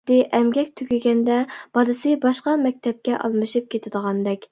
خۇددى ئەمگەك تۈگىگەندە بالىسى باشقا مەكتەپكە ئالمىشىپ كېتىدىغاندەك.